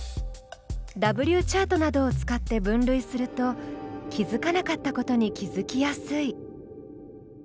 Ｗチャートなどを使って分類すると気付かなかったことに気付きやすい。